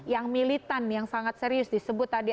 yang militan yang sangat serius disebut tadi